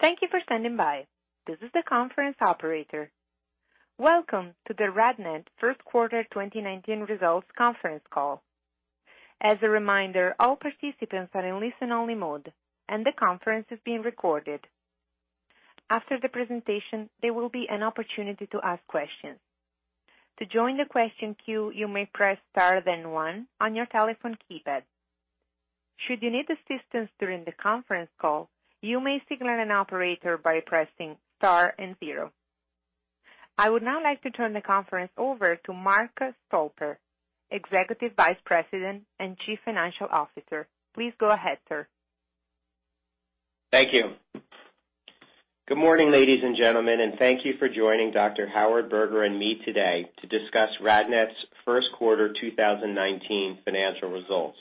Thank you for standing by. This is the conference operator. Welcome to the RadNet First Quarter 2019 Results Conference Call. As a reminder, all participants are in listen-only mode, and the conference is being recorded. After the presentation, there will be an opportunity to ask questions. To join the question queue, you may press star then one on your telephone keypad. Should you need assistance during the conference call, you may signal an operator by pressing star and zero. I would now like to turn the conference over to Mark Stolper, Executive Vice President and Chief Financial Officer. Please go ahead, sir. Thank you. Good morning, ladies and gentlemen, thank you for joining Dr. Howard Berger and me today to discuss RadNet's first quarter 2019 financial results.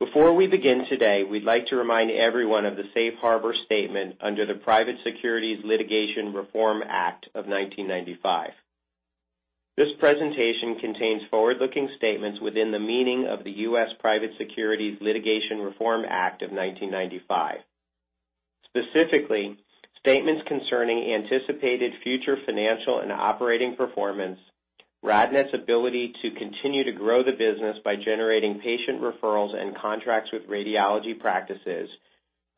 Before we begin today, we'd like to remind everyone of the safe harbor statement under the Private Securities Litigation Reform Act of 1995. This presentation contains forward-looking statements within the meaning of the U.S. Private Securities Litigation Reform Act of 1995. Specifically, statements concerning anticipated future financial and operating performance, RadNet's ability to continue to grow the business by generating patient referrals and contracts with radiology practices,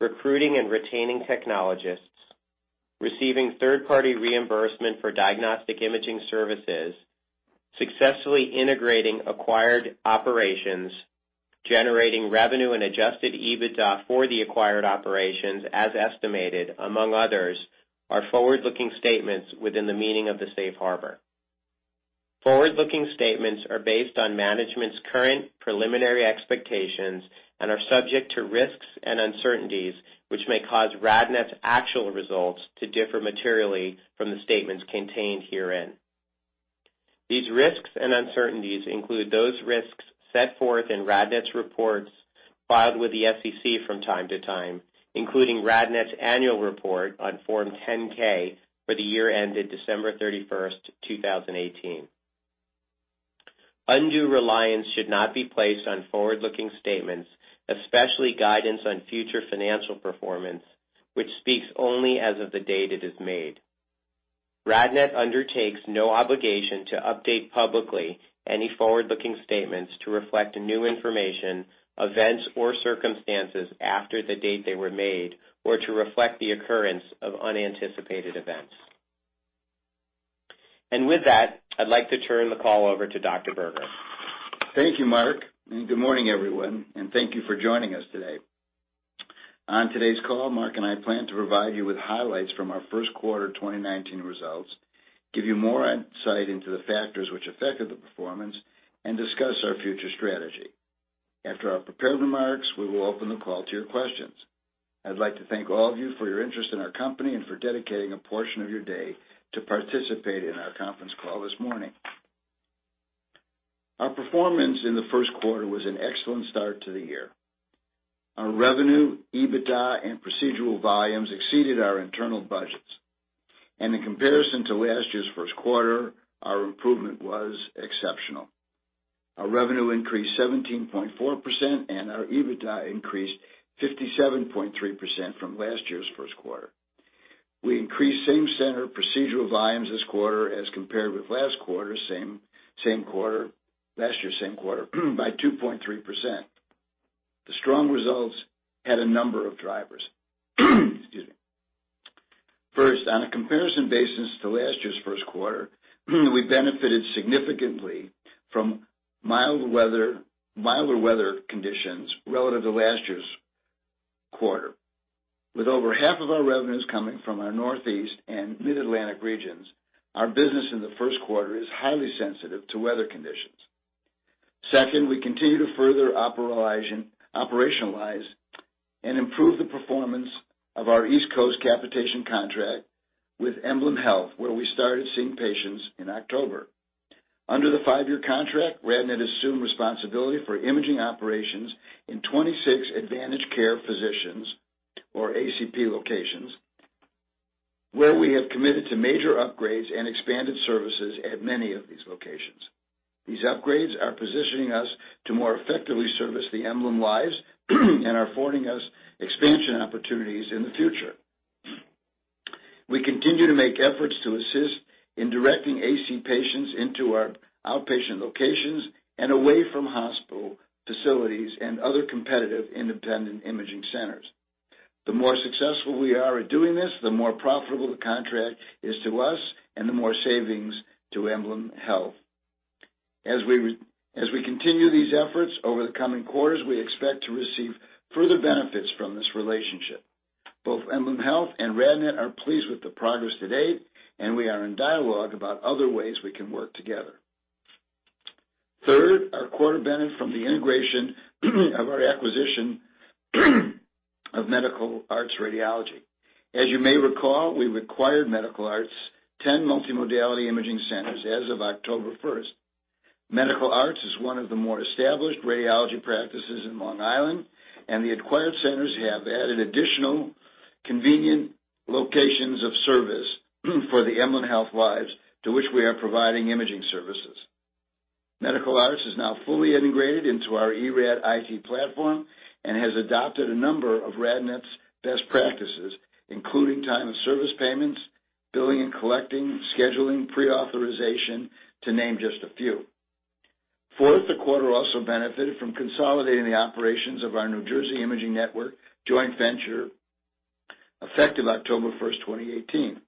recruiting and retaining technologists, receiving third-party reimbursement for diagnostic imaging services, successfully integrating acquired operations, generating revenue and adjusted EBITDA for the acquired operations as estimated, among others, are forward-looking statements within the meaning of the safe harbor. Forward-looking statements are based on management's current preliminary expectations and are subject to risks and uncertainties, which may cause RadNet's actual results to differ materially from the statements contained herein. These risks and uncertainties include those risks set forth in RadNet's reports filed with the SEC from time to time, including RadNet's annual report on Form 10-K for the year ended December 31st, 2018. Undue reliance should not be placed on forward-looking statements, especially guidance on future financial performance, which speaks only as of the date it is made. RadNet undertakes no obligation to update publicly any forward-looking statements to reflect new information, events, or circumstances after the date they were made, or to reflect the occurrence of unanticipated events. With that, I'd like to turn the call over to Dr. Berger. Thank you, Mark, good morning, everyone, thank you for joining us today. On today's call, Mark and I plan to provide you with highlights from our first quarter 2019 results, give you more insight into the factors which affected the performance, and discuss our future strategy. After our prepared remarks, we will open the call to your questions. I'd like to thank all of you for your interest in our company and for dedicating a portion of your day to participate in our conference call this morning. Our performance in the first quarter was an excellent start to the year. Our revenue, EBITDA, and procedural volumes exceeded our internal budgets. In comparison to last year's first quarter, our improvement was exceptional. Our revenue increased 17.4%, and our EBITDA increased 57.3% from last year's first quarter. We increased same-center procedural volumes this quarter as compared with last year's same quarter by 2.3%. The strong results had a number of drivers. Excuse me. First, on a comparison basis to last year's first quarter, we benefited significantly from milder weather conditions relative to last year's quarter. With over half of our revenues coming from our Northeast and Mid-Atlantic regions, our business in the first quarter is highly sensitive to weather conditions. Second, we continue to further operationalize and improve the performance of our East Coast capitation contract with EmblemHealth, where we started seeing patients in October. Under the five-year contract, RadNet assumed responsibility for imaging operations in 26 AdvantageCare Physicians, or ACP locations, where we have committed to major upgrades and expanded services at many of these locations. These upgrades are positioning us to more effectively service the Emblem lives and are affording us expansion opportunities in the future. We continue to make efforts to assist in directing AC patients into our outpatient locations and away from hospital facilities and other competitive independent imaging centers. The more successful we are at doing this, the more profitable the contract is to us and the more savings to EmblemHealth. As we continue these efforts over the coming quarters, we expect to receive further benefits from this relationship. Both EmblemHealth and RadNet are pleased with the progress to date, and we are in dialogue about other ways we can work together. Third, our quarter benefit from the integration of our acquisition of Medical Arts Radiology. As you may recall, we acquired Medical Arts' 10 multimodality imaging centers as of October 1st. Medical Arts is one of the more established radiology practices in Long Island, and the acquired centers have added additional convenient locations of service for the EmblemHealth lives to which we are providing imaging services. Medical Arts is now fully integrated into our eRAD IT platform and has adopted a number of RadNet's best practices, including time and service payments, billing and collecting, scheduling, pre-authorization, to name just a few. Fourth, the quarter also benefited from consolidating the operations of our New Jersey Imaging Network joint venture, effective October 1st, 2018.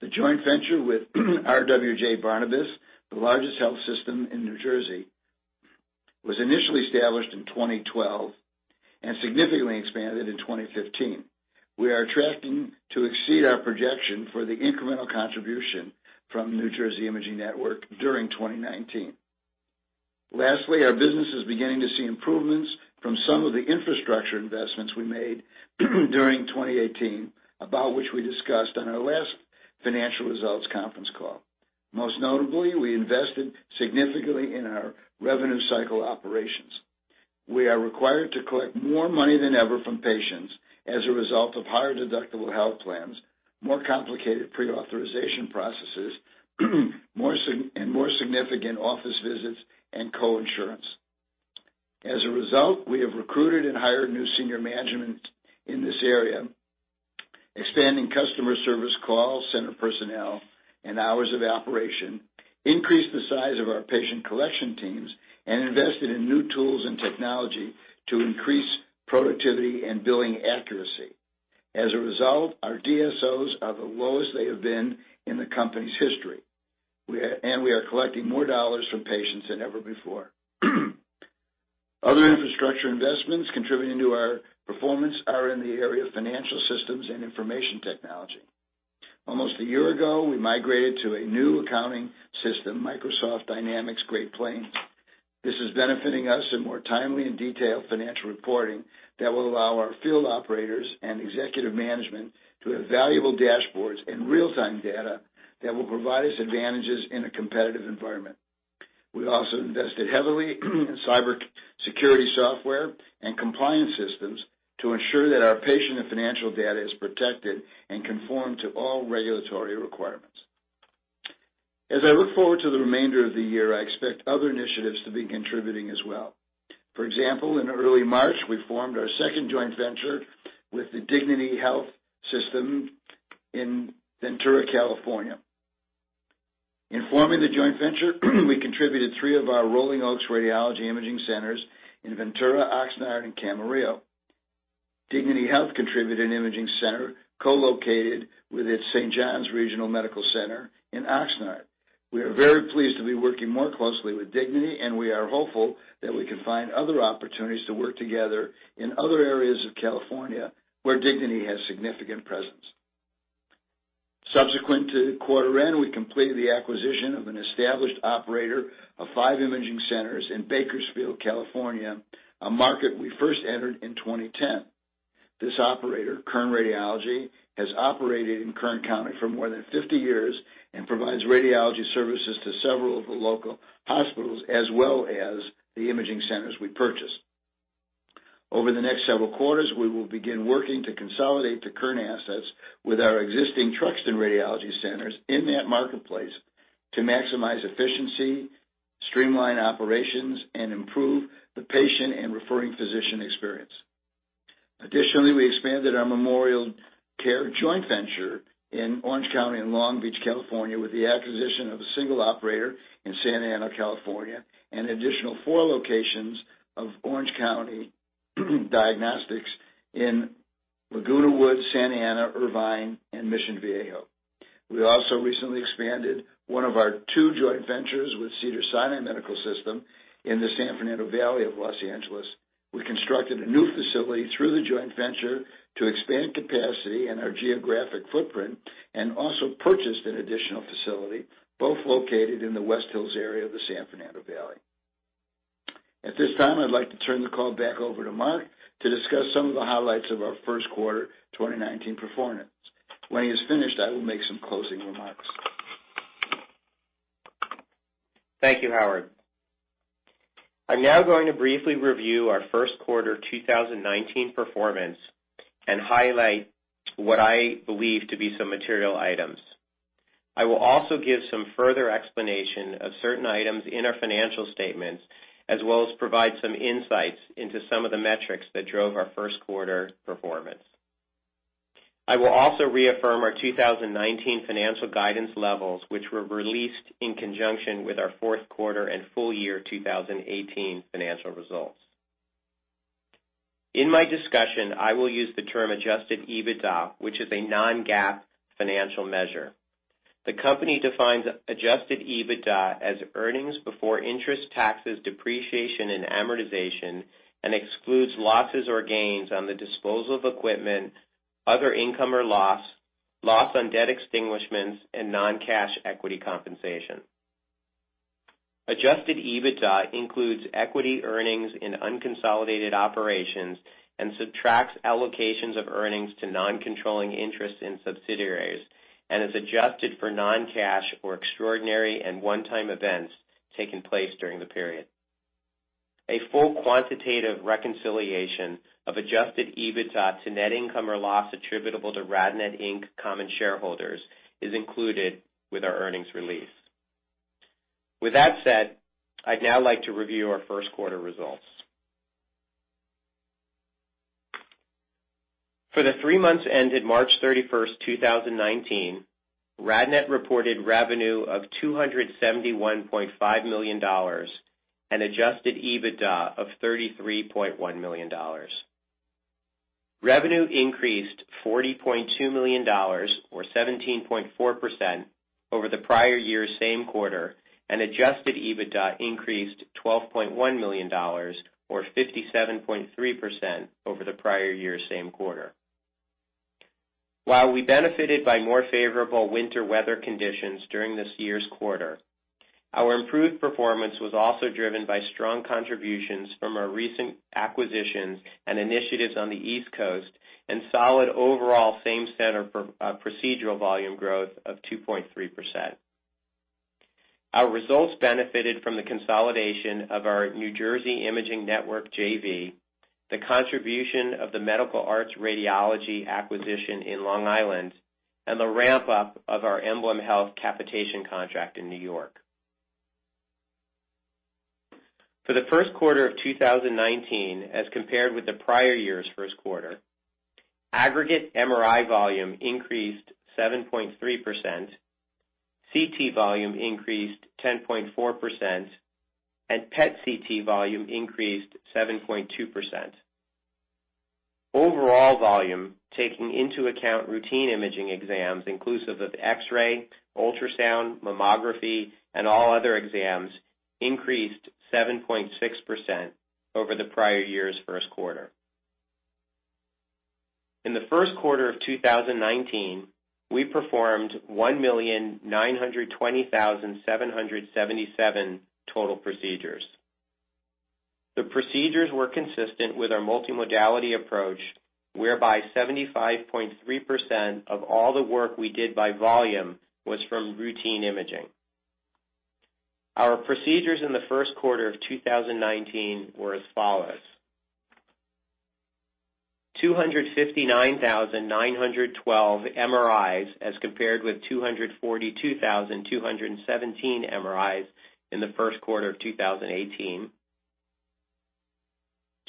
The joint venture with RWJBarnabas Health, the largest health system in New Jersey, was initially established in 2012 and significantly expanded in 2015. We are tracking to exceed our projection for the incremental contribution from New Jersey Imaging Network during 2019. Lastly, our business is beginning to see improvements from some of the infrastructure investments we made during 2018, about which we discussed on our last financial results conference call. Most notably, we invested significantly in our revenue cycle operations. We are required to collect more money than ever from patients as a result of higher deductible health plans, more complicated pre-authorization processes, and more significant office visits and co-insurance. As a result, we have recruited and hired new senior management in this area, expanding customer service call center personnel and hours of operation, increased the size of our patient collection teams, and invested in new tools and technology to increase productivity and billing accuracy. As a result, our DSOs are the lowest they have been in the company's history, and we are collecting more dollars from patients than ever before. Other infrastructure investments contributing to our performance are in the area of financial systems and information technology. Almost a year ago, we migrated to a new accounting system, Microsoft Dynamics GP. This is benefiting us in more timely and detailed financial reporting that will allow our field operators and executive management to have valuable dashboards and real-time data that will provide us advantages in a competitive environment. We also invested heavily in cybersecurity software and compliance systems to ensure that our patient and financial data is protected and conform to all regulatory requirements. As I look forward to the remainder of the year, I expect other initiatives to be contributing as well. For example, in early March, we formed our second joint venture with the Dignity Health system in Ventura, California. In forming the joint venture, we contributed three of our Rolling Oaks Radiology imaging centers in Ventura, Oxnard, and Camarillo. Dignity Health contributed an imaging center co-located with its St. John's Regional Medical Center in Oxnard. We are very pleased to be working more closely with Dignity, and we are hopeful that we can find other opportunities to work together in other areas of California where Dignity has significant presence. Subsequent to the quarter end, we completed the acquisition of an established operator of 5 imaging centers in Bakersfield, California, a market we first entered in 2010. This operator, Kern Radiology, has operated in Kern County for more than 50 years and provides radiology services to several of the local hospitals, as well as the imaging centers we purchased. Over the next several quarters, we will begin working to consolidate the Kern assets with our existing Truxtun Radiology centers in that marketplace to maximize efficiency, streamline operations, and improve the patient and referring physician experience. Additionally, we expanded our MemorialCare joint venture in Orange County and Long Beach, California, with the acquisition of a single operator in Santa Ana, California, and an additional 4 locations of Orange County Diagnostics in Laguna Woods, Santa Ana, Irvine, and Mission Viejo. We also recently expanded one of our two joint ventures with Cedars-Sinai Medical System in the San Fernando Valley of Los Angeles. We constructed a new facility through the joint venture to expand capacity and our geographic footprint, and also purchased an additional facility, both located in the West Hills area of the San Fernando Valley. At this time, I'd like to turn the call back over to Mark to discuss some of the highlights of our first quarter 2019 performance. When he is finished, I will make some closing remarks. Thank you, Howard. I'm now going to briefly review our first quarter 2019 performance and highlight what I believe to be some material items. I will also give some further explanation of certain items in our financial statements, as well as provide some insights into some of the metrics that drove our first quarter performance. I will also reaffirm our 2019 financial guidance levels, which were released in conjunction with our fourth quarter and full year 2018 financial results. In my discussion, I will use the term adjusted EBITDA, which is a non-GAAP financial measure. The company defines adjusted EBITDA as earnings before interest, taxes, depreciation, and amortization, and excludes losses or gains on the disposal of equipment, other income or loss on debt extinguishments, and non-cash equity compensation. Adjusted EBITDA includes equity earnings in unconsolidated operations and subtracts allocations of earnings to non-controlling interests in subsidiaries and is adjusted for non-cash or extraordinary and one-time events taking place during the period. A full quantitative reconciliation of adjusted EBITDA to net income or loss attributable to RadNet, Inc. common shareholders is included with our earnings release. With that said, I'd now like to review our first quarter results. For the three months ended March 31st, 2019, RadNet reported revenue of $271.5 million and adjusted EBITDA of $33.1 million. Revenue increased $40.2 million or 17.4% over the prior year's same quarter, and adjusted EBITDA increased $12.1 million or 57.3% over the prior year's same quarter. While we benefited by more favorable winter weather conditions during this year's quarter, our improved performance was also driven by strong contributions from our recent acquisitions and initiatives on the East Coast and solid overall same-center procedural volume growth of 2.3%. Our results benefited from the consolidation of our New Jersey Imaging Network JV, the contribution of the Medical Arts Radiology acquisition in Long Island, and the ramp-up of our EmblemHealth capitation contract in New York. For the first quarter of 2019 as compared with the prior year's first quarter, aggregate MRI volume increased 7.3%, CT volume increased 10.4%, and PET CT volume increased 7.2%. Overall volume, taking into account routine imaging exams inclusive of X-ray, ultrasound, mammography, and all other exams, increased 7.6% over the prior year's first quarter. In the first quarter of 2019, we performed 1,920,777 total procedures. The procedures were consistent with our multimodality approach, whereby 75.3% of all the work we did by volume was from routine imaging. Our procedures in the first quarter of 2019 were as follows: 259,912 MRIs as compared with 242,217 MRIs in the first quarter of 2018.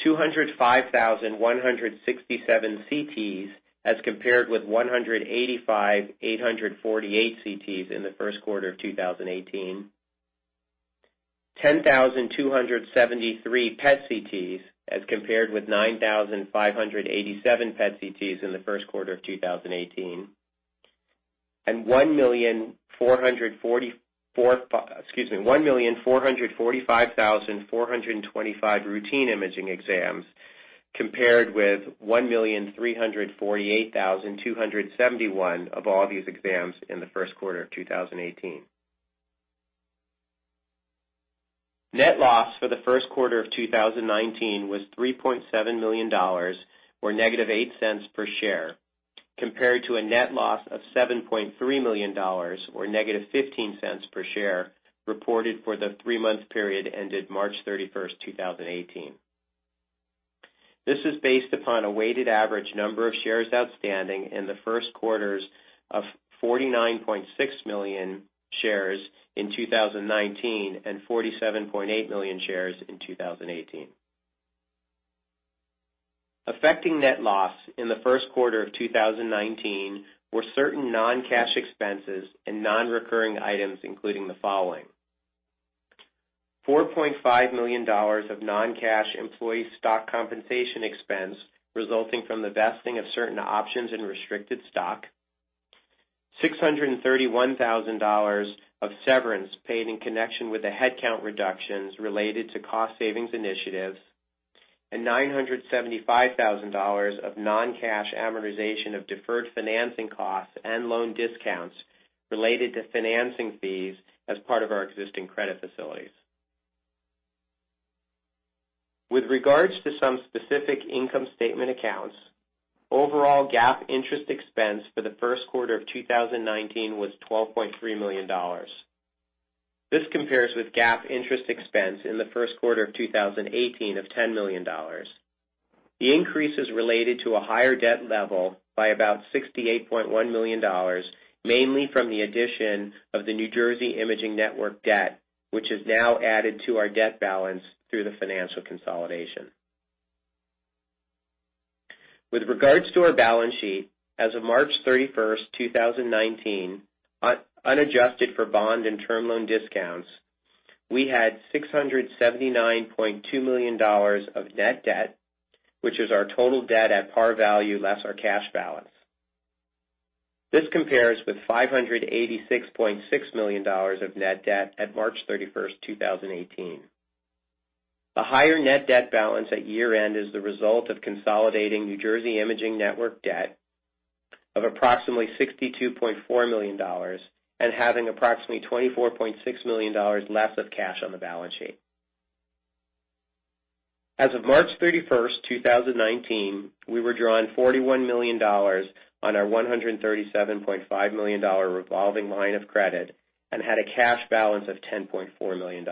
205,167 CTs as compared with 185,848 CTs in the first quarter of 2018. 10,273 PET CTs as compared with 9,587 PET CTs in the first quarter of 2018. 1,445,425 routine imaging exams compared with 1,348,271 of all these exams in the first quarter of 2018. Net loss for the first quarter of 2019 was $3.7 million, or negative $0.08 per share, compared to a net loss of $7.3 million or negative $0.15 per share reported for the three-month period ended March 31st, 2018. This is based upon a weighted average number of shares outstanding in the first quarters of 49.6 million shares in 2019 and 47.8 million shares in 2018. Affecting net loss in the first quarter of 2019 were certain non-cash expenses and non-recurring items, including the following: $4.5 million of non-cash employee stock compensation expense resulting from the vesting of certain options and restricted stock, $631,000 of severance paid in connection with the headcount reductions related to cost savings initiatives, and $975,000 of non-cash amortization of deferred financing costs and loan discounts related to financing fees as part of our existing credit facilities. With regards to some specific income statement accounts, overall GAAP interest expense for the first quarter of 2019 was $12.3 million. This compares with GAAP interest expense in the first quarter of 2018 of $10 million. The increase is related to a higher debt level by about $68.1 million, mainly from the addition of the New Jersey Imaging Network debt, which is now added to our debt balance through the financial consolidation. With regards to our balance sheet, as of March 31st, 2019, unadjusted for bond and term loan discounts, we had $679.2 million of net debt, which is our total debt at par value less our cash balance. This compares with $586.6 million of net debt at March 31st, 2018. The higher net debt balance at year-end is the result of consolidating New Jersey Imaging Network debt of approximately $62.4 million and having approximately $24.6 million less of cash on the balance sheet. As of March 31st, 2019, we were drawing $41 million on our $137.5 million revolving line of credit and had a cash balance of $10.4 million.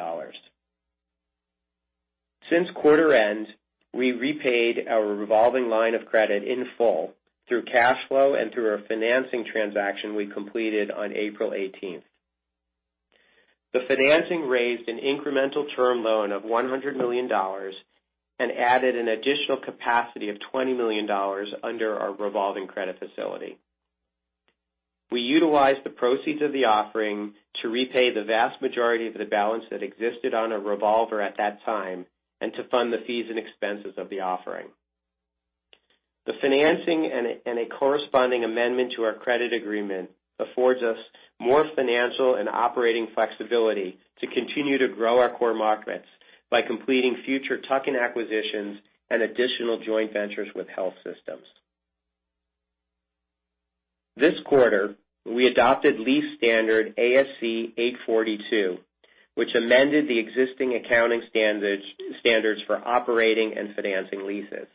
Since quarter end, we repaid our revolving line of credit in full through cash flow and through a financing transaction we completed on April 18th. The financing raised an incremental term loan of $100 million and added an additional capacity of $20 million under our revolving credit facility. We utilized the proceeds of the offering to repay the vast majority of the balance that existed on a revolver at that time, and to fund the fees and expenses of the offering. The financing and a corresponding amendment to our credit agreement affords us more financial and operating flexibility to continue to grow our core markets by completing future tuck-in acquisitions and additional joint ventures with health systems. This quarter, we adopted lease standard ASC 842, which amended the existing accounting standards for operating and financing leases.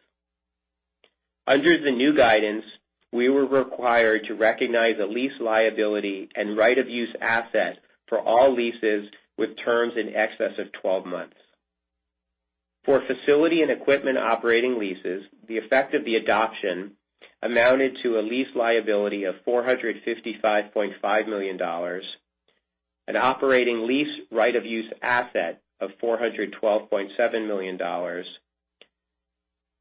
Under the new guidance, we were required to recognize a lease liability and right-of-use asset for all leases with terms in excess of 12 months. For facility and equipment operating leases, the effect of the adoption amounted to a lease liability of $455.5 million, an operating lease right-of-use asset of $412.7 million,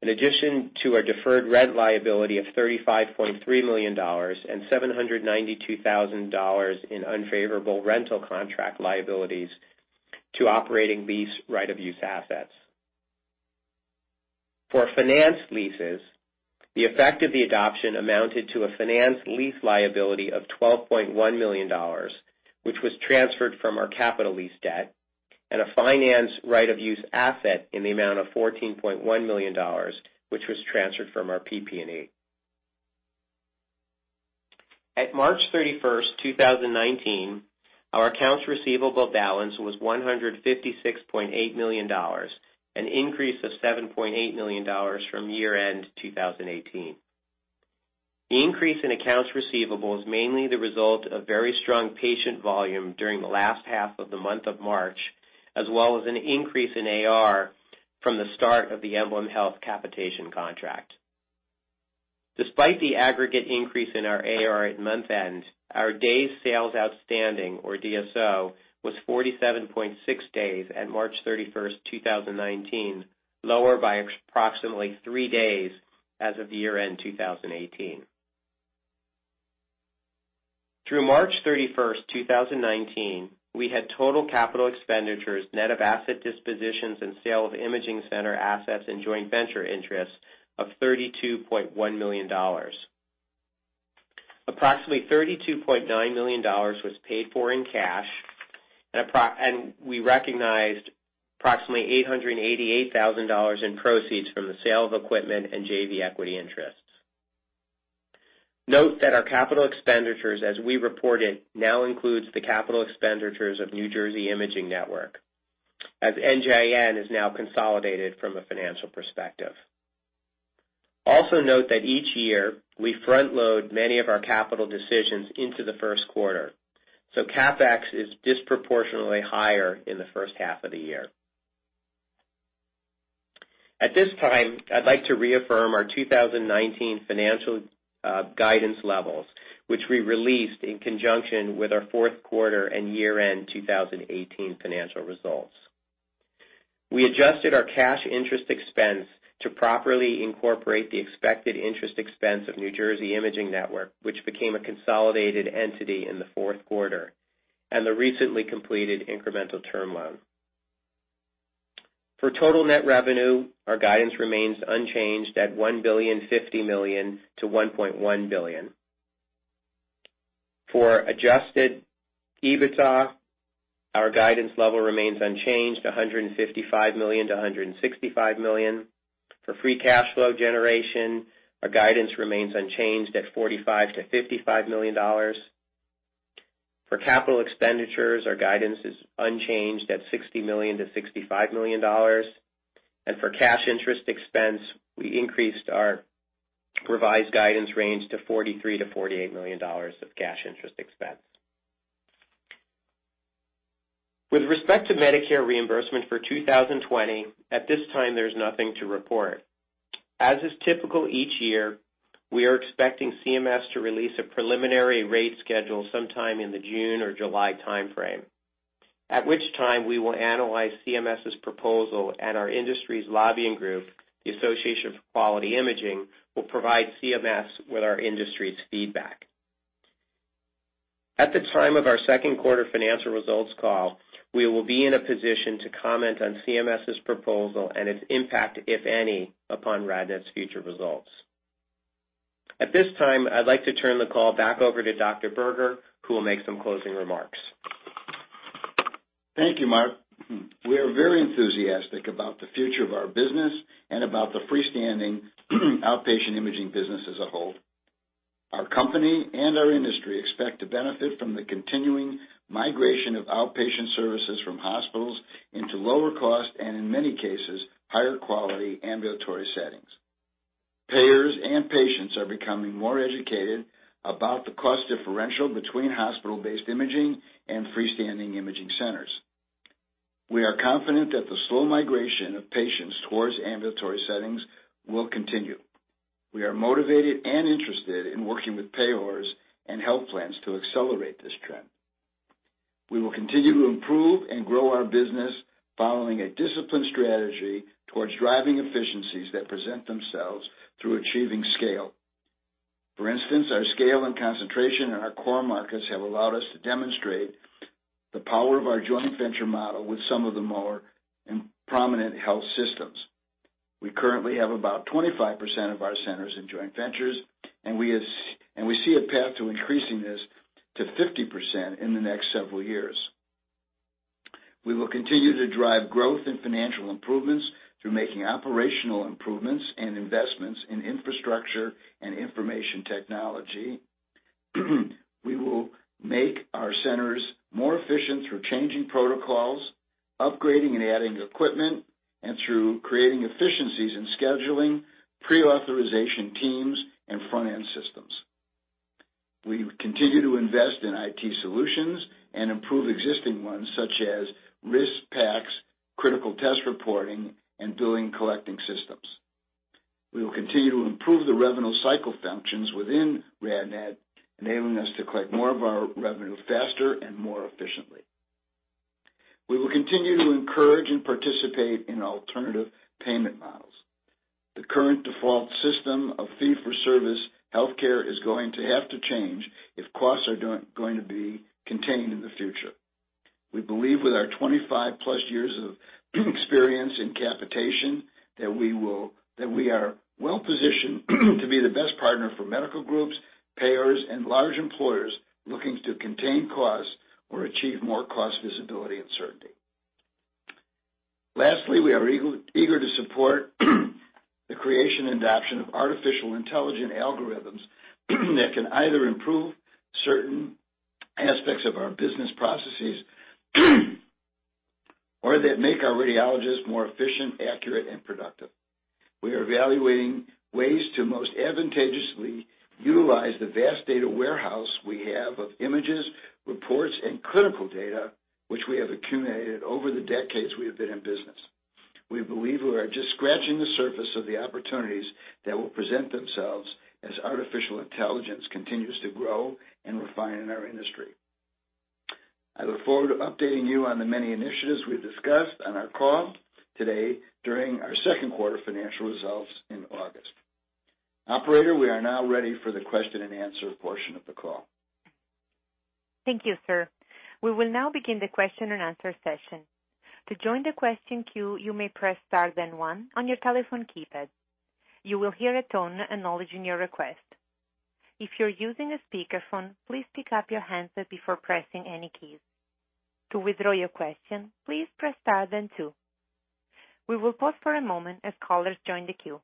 in addition to a deferred rent liability of $35.3 million and $792,000 in unfavorable rental contract liabilities to operating lease right-of-use assets. For financed leases, the effect of the adoption amounted to a financed lease liability of $12.1 million, which was transferred from our capital lease debt, and a finance right-of-use asset in the amount of $14.1 million, which was transferred from our PP&E. At March 31st, 2019, our accounts receivable balance was $156.8 million, an increase of $7.8 million from year-end 2018. The increase in accounts receivable is mainly the result of very strong patient volume during the last half of the month of March, as well as an increase in AR from the start of the EmblemHealth capitation contract. Despite the aggregate increase in our AR at month-end, our days sales outstanding, or DSO, was 47.6 days at March 31st, 2019, lower by approximately three days as of the year-end 2018. Through March 31st, 2019, we had total capital expenditures, net of asset dispositions and sale of imaging center assets and joint venture interests of $32.1 million. Approximately $32.9 million was paid for in cash, and we recognized approximately $888,000 in proceeds from the sale of equipment and JV equity interests. Note that our capital expenditures, as we report it, now includes the capital expenditures of New Jersey Imaging Network, as NJIN is now consolidated from a financial perspective. Note that each year, we front-load many of our capital decisions into the first quarter, CapEx is disproportionately higher in the first half of the year. At this time, I'd like to reaffirm our 2019 financial guidance levels, which we released in conjunction with our fourth quarter and year-end 2018 financial results. We adjusted our cash interest expense to properly incorporate the expected interest expense of New Jersey Imaging Network, which became a consolidated entity in the fourth quarter, and the recently completed incremental term loan. For total net revenue, our guidance remains unchanged at $1.050 billion to $1.1 billion. For adjusted EBITDA, our guidance level remains unchanged, $155 million to $165 million. For free cash flow generation, our guidance remains unchanged at $45 million to $55 million. For capital expenditures, our guidance is unchanged at $60 million to $65 million. For cash interest expense, we increased our revised guidance range to $43 million to $48 million of cash interest expense. With respect to Medicare reimbursement for 2020, at this time, there's nothing to report. As is typical each year, we are expecting CMS to release a preliminary rate schedule sometime in the June or July timeframe, at which time we will analyze CMS's proposal and our industry's lobbying group, the Association for Quality Imaging, will provide CMS with our industry's feedback. At the time of our second quarter financial results call, we will be in a position to comment on CMS's proposal and its impact, if any, upon RadNet's future results. At this time, I'd like to turn the call back over to Dr. Berger, who will make some closing remarks. Thank you, Mark. We are very enthusiastic about the future of our business and about the freestanding outpatient imaging business as a whole. Our company and our industry expect to benefit from the continuing migration of outpatient services from hospitals into lower cost, and in many cases, higher quality ambulatory settings. Payers and patients are becoming more educated about the cost differential between hospital-based imaging and freestanding imaging centers. We are confident that the slow migration of patients towards ambulatory settings will continue. We are motivated and interested in working with payers and health plans to accelerate this trend. We will continue to improve and grow our business following a disciplined strategy towards driving efficiencies that present themselves through achieving scale. For instance, our scale and concentration in our core markets have allowed us to demonstrate the power of our joint venture model with some of the more prominent health systems. We currently have about 25% of our centers in joint ventures, and we see a path to increasing this to 50% in the next several years. We will continue to drive growth and financial improvements through making operational improvements and investments in infrastructure and information technology. We will make our centers more efficient through changing protocols, upgrading and adding equipment, and through creating efficiencies in scheduling, pre-authorization teams, and front-end systems. We continue to invest in IT solutions and improve existing ones such as RIS/PACS, critical test reporting, and billing collecting systems. We will continue to improve the revenue cycle functions within RadNet, enabling us to collect more of our revenue faster and more efficiently. We will continue to encourage and participate in alternative payment models. The current default system of fee-for-service health care is going to have to change if costs are going to be contained in the future. We believe with our 25-plus years of experience in capitation, that we are well positioned to be the best partner for medical groups, payers, and large employers looking to contain costs or achieve more cost visibility and certainty. Lastly, we are eager to support the creation and adoption of artificial intelligence algorithms that can either improve certain aspects of our business processes or that make our radiologists more efficient, accurate, and productive. We are evaluating ways to most advantageously utilize the vast data warehouse we have of images, reports, and clinical data, which we have accumulated over the decades we have been in business. We believe we are just scratching the surface of the opportunities that will present themselves as artificial intelligence continues to grow and refine in our industry. I look forward to updating you on the many initiatives we've discussed on our call today during our second quarter financial results in August. Operator, we are now ready for the question and answer portion of the call. Thank you, sir. We will now begin the question and answer session. To join the question queue, you may press star then one on your telephone keypad. You will hear a tone acknowledging your request. If you're using a speakerphone, please pick up your handset before pressing any keys. To withdraw your question, please press star then two. We will pause for a moment as callers join the queue.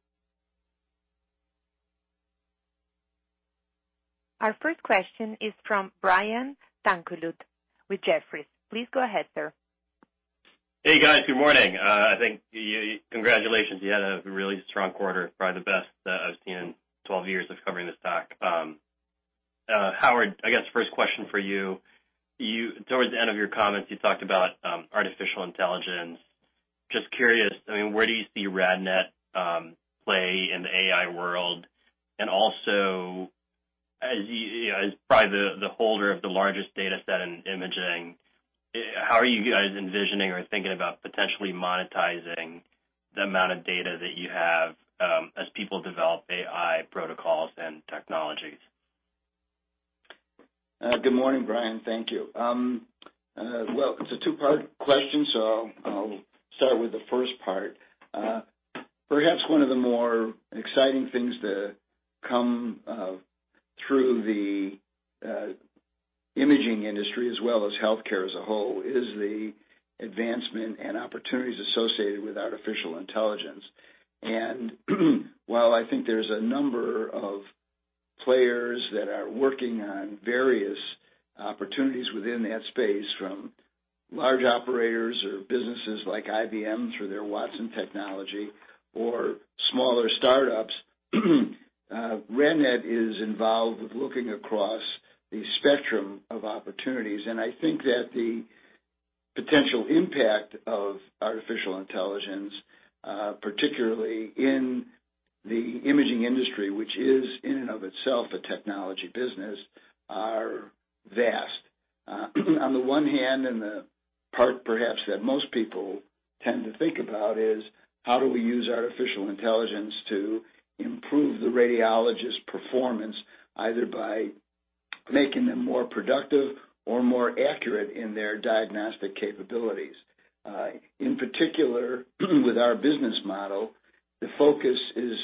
Our first question is from Brian Tanquilut with Jefferies. Please go ahead, sir. Hey, guys. Good morning. Congratulations, you had a really strong quarter, probably the best I've seen in 12 years of covering the stock. Howard, I guess first question for you. Towards the end of your comments, you talked about artificial intelligence. Just curious, where do you see RadNet play in the AI world? As probably the holder of the largest data set in imaging, how are you guys envisioning or thinking about potentially monetizing the amount of data that you have as people develop AI protocols and technologies? Good morning, Brian. Thank you. Well, it's a two-part question, so I'll start with the first part. Perhaps one of the more exciting things to come through the imaging industry as well as healthcare as a whole is the advancement and opportunities associated with artificial intelligence. While I think there's a number of players that are working on various opportunities within that space, from large operators or businesses like IBM through their Watson technology or smaller startups, RadNet is involved with looking across the spectrum of opportunities. I think that the potential impact of artificial intelligence, particularly in the imaging industry, which is in and of itself a technology business, are vast. On the one hand, and the part perhaps that most people tend to think about is how do we use artificial intelligence to improve the radiologist performance, either by making them more productive or more accurate in their diagnostic capabilities? In particular, with our business model, the focus is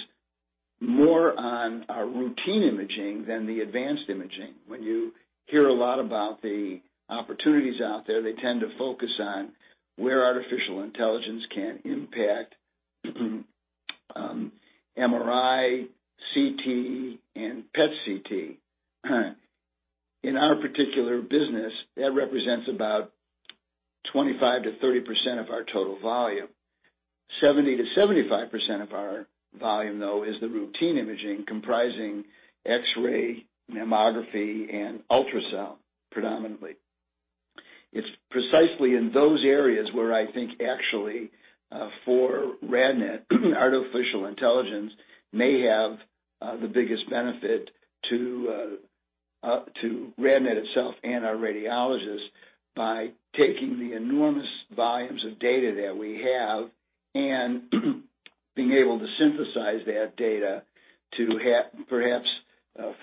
more on our routine imaging than the advanced imaging. We hear a lot about the opportunities out there. They tend to focus on where artificial intelligence can impact MRI, CT, and PET/CT. In our particular business, that represents about 25%-30% of our total volume. 70%-75% of our volume, though, is the routine imaging comprising X-ray, mammography, and ultrasound, predominantly. It's precisely in those areas where I think actually, for RadNet, artificial intelligence may have the biggest benefit to RadNet itself and our radiologists by taking the enormous volumes of data that we have and being able to synthesize that data to perhaps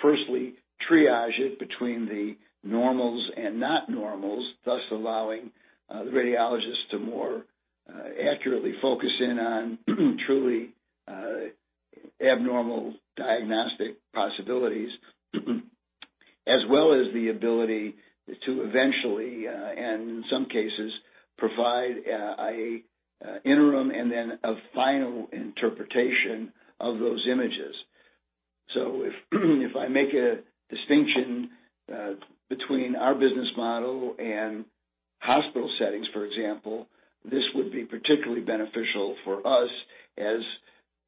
firstly triage it between the normals and not normals, thus allowing the radiologists to more accurately focus in on truly abnormal diagnostic possibilities. As well as the ability to eventually, and in some cases, provide an interim and then a final interpretation of those images. If I make a distinction between our business model and hospital settings, for example, this would be particularly beneficial for us. As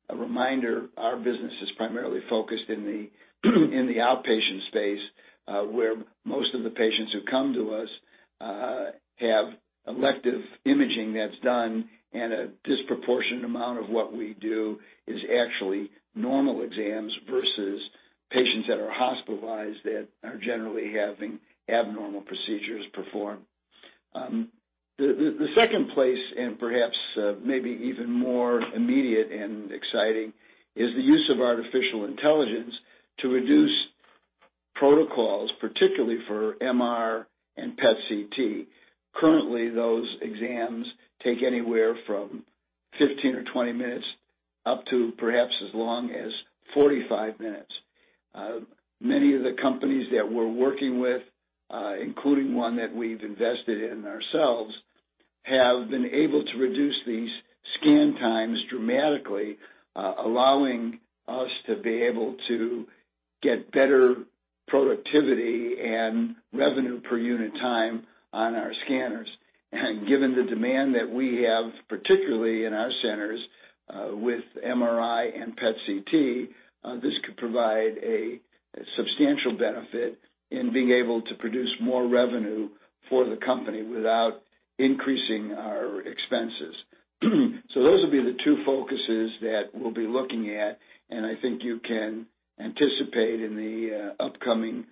a reminder, our business is primarily focused in the outpatient space, where most of the patients who come to us have elective imaging that's done, and a disproportionate amount of what we do is actually normal exams versus patients that are hospitalized that are generally having abnormal procedures performed. The second place, and perhaps maybe even more immediate and exciting, is the use of artificial intelligence to reduce protocols, particularly for MR and PET/CT. Currently, those exams take anywhere from 15 or 20 minutes up to perhaps as long as 45 minutes. Many of the companies that we're working with, including one that we've invested in ourselves, have been able to reduce these scan times dramatically, allowing us to be able to get better productivity and revenue per unit time on our scanners. Given the demand that we have, particularly in our centers, with MRI and PET/CT, this could provide a substantial benefit in being able to produce more revenue for the company without increasing our expenses. Those will be the two focuses that we'll be looking at, and I think you can anticipate in the upcoming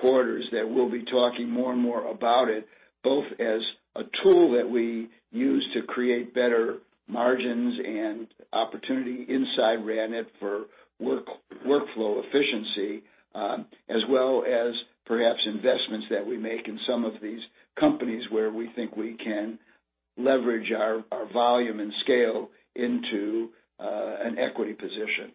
quarters that we'll be talking more and more about it, both as a tool that we use to create better margins and opportunity inside RadNet for workflow efficiency. As well as perhaps investments that we make in some of these companies where we think we can leverage our volume and scale into an equity position.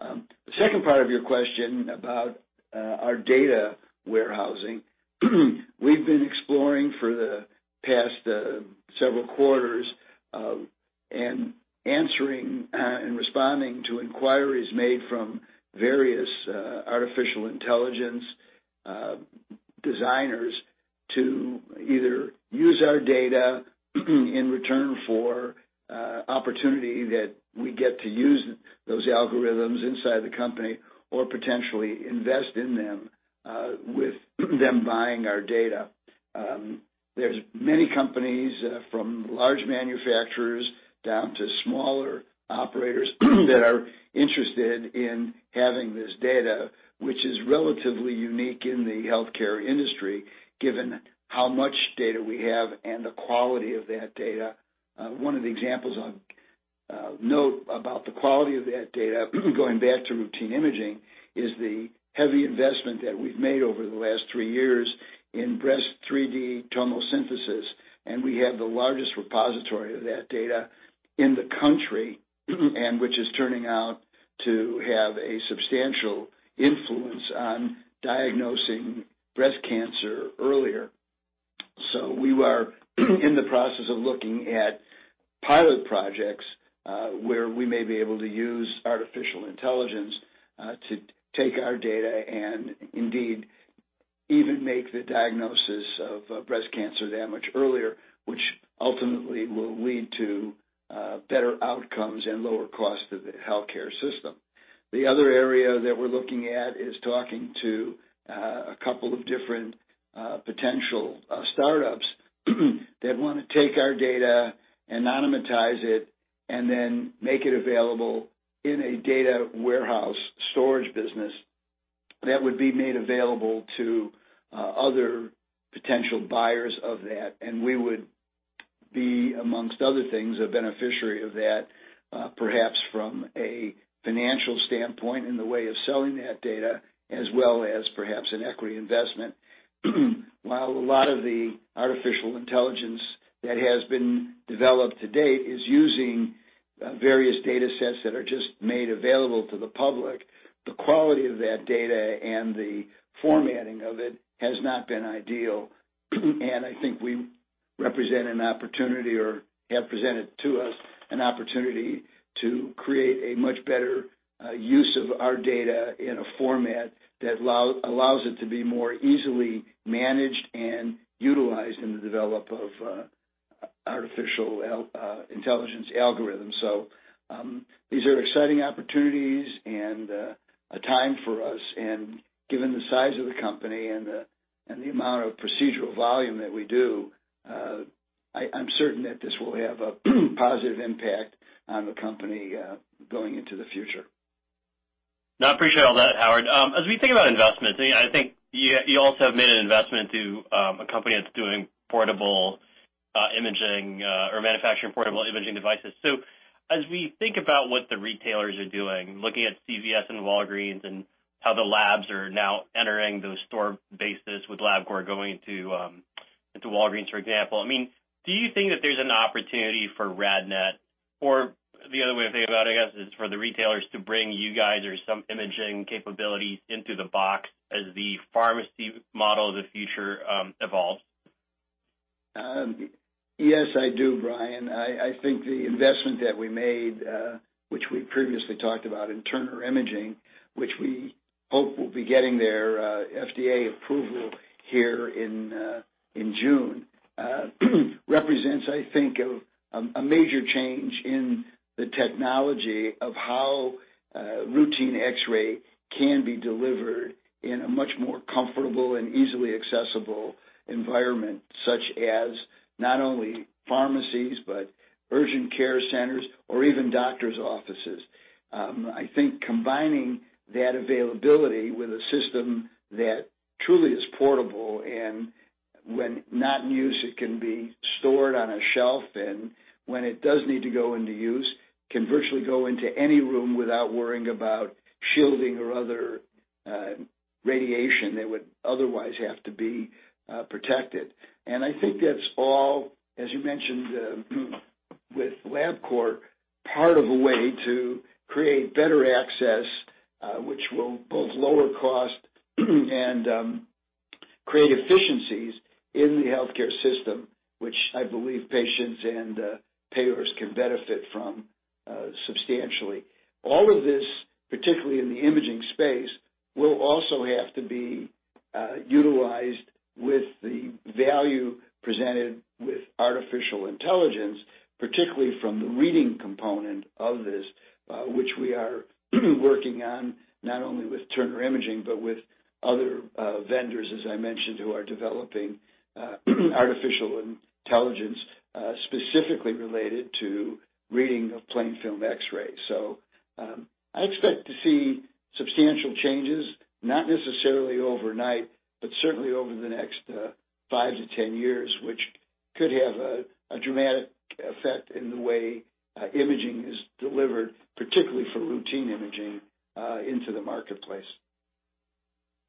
The second part of your question about our data warehousing. We've been exploring for the past several quarters, and answering and responding to inquiries made from various artificial intelligence designers to either use our data in return for opportunity that we get to use those algorithms inside the company or potentially invest in them with them buying our data. There's many companies, from large manufacturers down to smaller operators, that are interested in having this data, which is relatively unique in the healthcare industry, given how much data we have and the quality of that data. One of the examples I'll note about the quality of that data, going back to routine imaging, is the heavy investment that we've made over the last three years in breast 3D tomosynthesis. We have the largest repository of that data in the country and which is turning out to have a substantial influence on diagnosing breast cancer earlier. We are in the process of looking at pilot projects, where we may be able to use artificial intelligence to take our data and indeed even make the diagnosis of breast cancer that much earlier, which ultimately will lead to better outcomes and lower cost to the healthcare system. The other area that we're looking at is talking to a couple of different potential startups that want to take our data, anonymize it, and then make it available in a data warehouse storage business that would be made available to other potential buyers of that. We would be, amongst other things, a beneficiary of that, perhaps from a financial standpoint in the way of selling that data, as well as perhaps an equity investment. While a lot of the artificial intelligence that has been developed to date is using various data sets that are just made available to the public, the quality of that data and the formatting of it has not been ideal. I think we represent an opportunity or have presented to us an opportunity to create a much better use of our data in a format that allows it to be more easily managed and utilized in the development of artificial intelligence algorithms. These are exciting opportunities and a time for us. Given the size of the company and the amount of procedural volume that we do, I'm certain that this will have a positive impact on the company going into the future. No, I appreciate all that, Howard. As we think about investments, I think you also have made an investment to a company that's doing portable imaging or manufacturing portable imaging devices. As we think about what the retailers are doing, looking at CVS and Walgreens and how the labs are now entering those store bases with LabCorp going into Walgreens, for example, do you think that there's an opportunity for RadNet? The other way to think about it, I guess, is for the retailers to bring you guys or some imaging capabilities into the box as the pharmacy model of the future evolves? Yes, I do, Brian. I think the investment that we made, which we previously talked about in Turner Imaging, which we hope will be getting their FDA approval here in June, represents, I think, a major change in the technology of how routine X-ray can be delivered in a much more comfortable and easily accessible environment, such as not only pharmacies, but urgent care centers or even doctor's offices. I think combining that availability with a system that truly is portable and when not in use, it can be stored on a shelf and when it does need to go into use, can virtually go into any room without worrying about shielding or other radiation that would otherwise have to be protected. I think that's all, as you mentioned, with LabCorp, part of a way to create better access, which will both lower cost and create efficiencies in the healthcare system, which I believe patients and payers can benefit from substantially. All of this, particularly in the imaging space, will also have to be utilized with the value presented with artificial intelligence, particularly from the reading component of this, which we are working on, not only with Turner Imaging, but with other vendors, as I mentioned, who are developing artificial intelligence specifically related to reading of plain film X-rays. I expect to see substantial changes, not necessarily overnight, but certainly over the next five to 10 years, which could have a dramatic effect in the way imaging is delivered, particularly for routine imaging into the marketplace.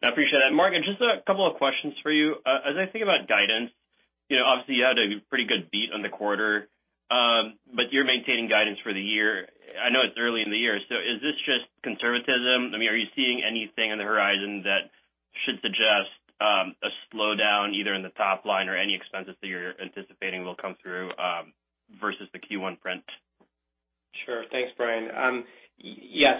I appreciate that. Mark, just a couple of questions for you. As I think about guidance, obviously you had a pretty good beat on the quarter, but you're maintaining guidance for the year. I know it's early in the year, so is this just conservatism? Are you seeing anything on the horizon that should suggest a slowdown either in the top line or any expenses that you're anticipating will come through versus the Q1 print? Sure. Thanks, Brian. Yes,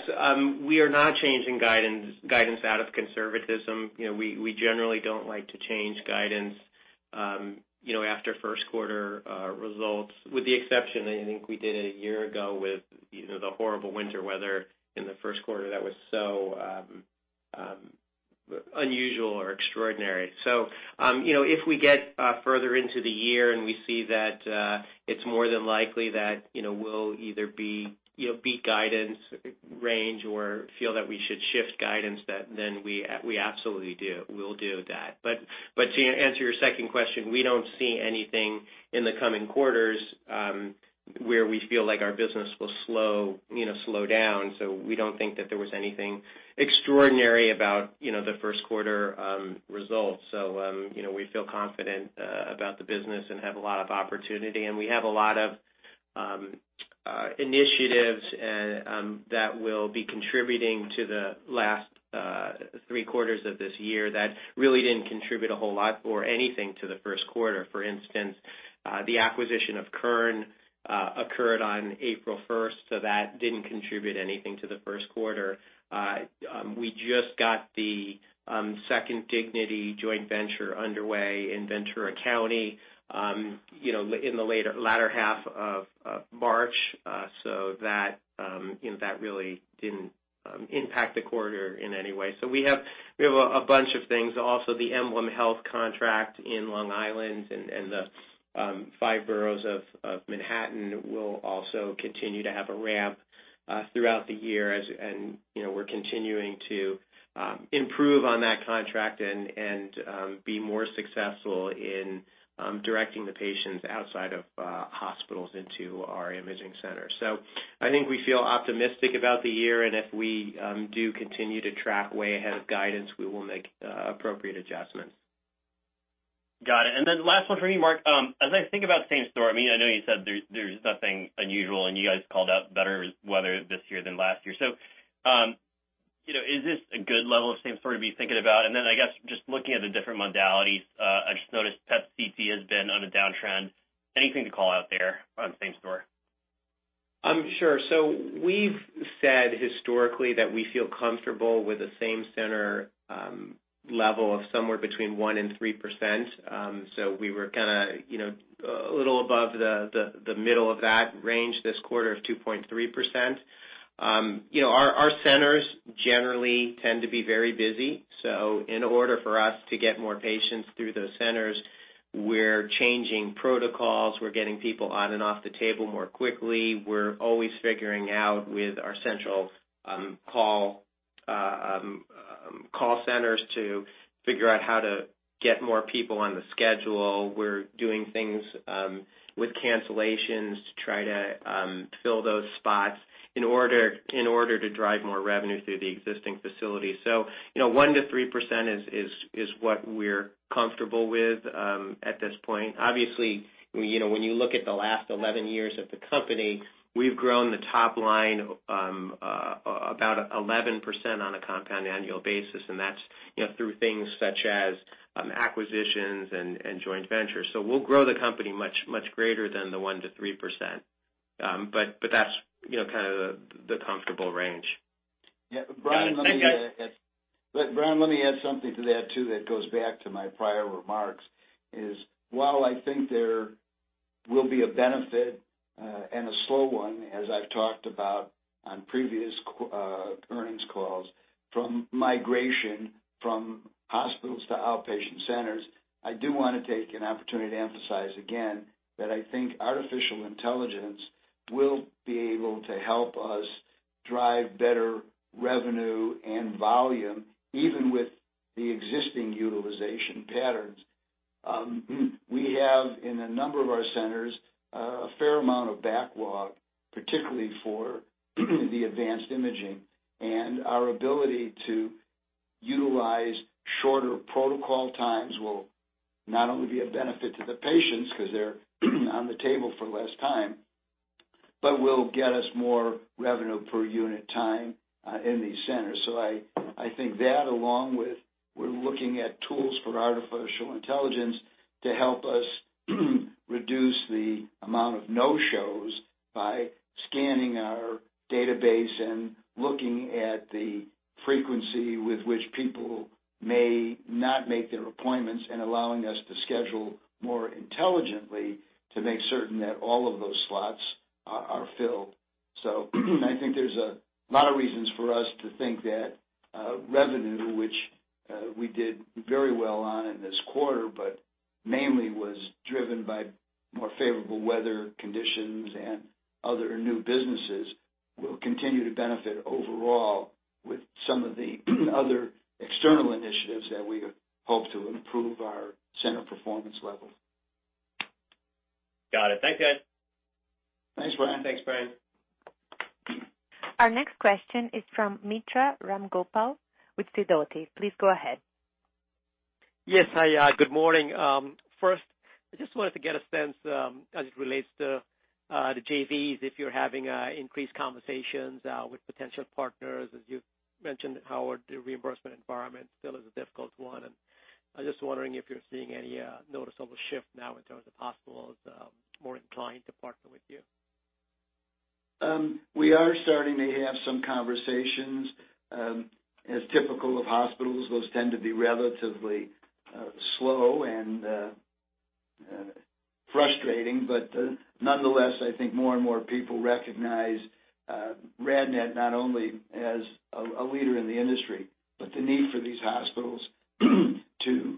we are not changing guidance out of conservatism. We generally don't like to change guidance after first quarter results, with the exception, I think we did it a year ago with the horrible winter weather in the first quarter that was so unusual or extraordinary. If we get further into the year and we see that it's more than likely that we'll either beat guidance range or feel that we should shift guidance, then we absolutely will do that. But to answer your second question, we don't see anything in the coming quarters where we feel like our business will slow down. We don't think that there was anything extraordinary about the first quarter results. We feel confident about the business and have a lot of opportunity. We have a lot of initiatives that will be contributing to the last three quarters of this year that really didn't contribute a whole lot or anything to the first quarter. For instance, the acquisition of Kern occurred on April 1st, so that didn't contribute anything to the first quarter. We just got the second Dignity joint venture underway in Ventura County in the latter half of March. That really didn't impact the quarter in any way. We have a bunch of things. Also, the EmblemHealth contract in Long Island and the five boroughs of Manhattan will also continue to have a ramp throughout the year as we're continuing to improve on that contract and be more successful in directing the patients outside of hospitals into our imaging center. I think we feel optimistic about the year, and if we do continue to track way ahead of guidance, we will make appropriate adjustments. Got it. Last one for you, Mark. As I think about same-store, I know you said there's nothing unusual, and you guys called out better weather this year than last year. Is this a good level of same-store to be thinking about? Then, I guess, just looking at the different modalities, I just noticed PET CT has been on a downtrend. Anything to call out there on same-store? Sure. We've said historically that we feel comfortable with a same-center level of somewhere between 1%-3%. We were kind of a little above the middle of that range this quarter of 2.3%. Our centers generally tend to be very busy. In order for us to get more patients through those centers, we're changing protocols. We're getting people on and off the table more quickly. We're always figuring out with our central call centers to figure out how to get more people on the schedule. We're doing things with cancellations to try to fill those spots in order to drive more revenue through the existing facility. 1%-3% is what we're comfortable with at this point. Obviously, when you look at the last 11 years of the company, we've grown the top line about 11% on a compound annual basis, and that's through things such as acquisitions and joint ventures. We'll grow the company much greater than the 1%-3%, but that's kind of the comfortable range. Yeah. Brian, let me add something to that, too, that goes back to my prior remarks, is while I think there will be a benefit, and a slow one, as I've talked about on previous earnings calls, from migration from hospitals to outpatient centers, I do want to take an opportunity to emphasize again that I think artificial intelligence will be able to help us drive better revenue and volume, even with the existing utilization patterns. We have, in a number of our centers, a fair amount of backlog, particularly for the advanced imaging. Our ability to utilize shorter protocol times will not only be a benefit to the patients because they're on the table for less time, but will get us more revenue per unit time in these centers. I think that along with we're looking at tools for artificial intelligence to help us reduce the amount of no-shows by scanning our database and looking at the frequency with which people may not make their appointments and allowing us to schedule more intelligently to make certain that all of those slots are filled. I think there's a lot of reasons for us to think that revenue, which we did very well on in this quarter, but mainly was driven by more favorable weather conditions and other new businesses, will continue to benefit overall with some of the other external initiatives that we hope to improve our center performance level. Got it. Thanks, guys. Thanks, Brian. Thanks, Brian. Our next question is from Mitra Ramgopal with Sidoti. Please go ahead. Yes. Hi, good morning. First, I just wanted to get a sense, as it relates to the JVs, if you're having increased conversations with potential partners. As you've mentioned, Howard, the reimbursement environment still is a difficult one, and I'm just wondering if you're seeing any noticeable shift now in terms of hospitals more inclined to partner with you. We are starting to have some conversations. As typical of hospitals, those tend to be relatively slow and frustrating. Nonetheless, I think more and more people recognize RadNet not only as a leader in the industry, but the need for these hospitals to